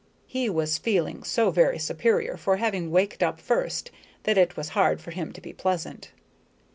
He was feeling so very superior for having waked up first that it was hard for him to be pleasant.